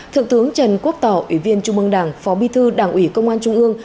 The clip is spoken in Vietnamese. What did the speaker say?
thượng thướng trần quốc tỏ ủy viên trung mương đảng phó bi thư đảng ủy công an trung ương